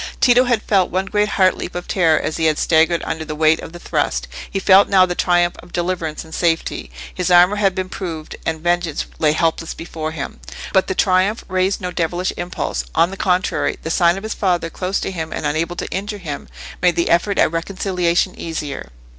Tito had felt one great heart leap of terror as he had staggered under the weight of the thrust: he felt now the triumph of deliverance and safety. His armour had been proved, and vengeance lay helpless before him. But the triumph raised no devilish impulse; on the contrary, the sight of his father close to him and unable to injure him, made the effort at reconciliation easier.